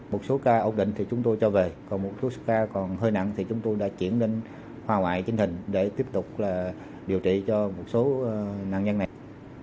một số ca ổn định thì chúng tôi cho về còn một số ca còn hơi nặng thì chúng tôi đã chuyển lên khoa ngoại trình hình để tiếp tục điều trị cho một số nạn nhân này